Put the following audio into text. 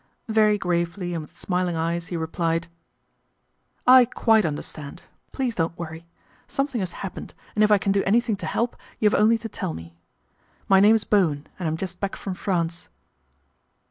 Very gravely and with smiling eyes he replied, " I quite understand. Please don't worry. Some thing has happened, and if I can do anything to help, you have only to tell me. My name is Bowen, and I'm just back from France."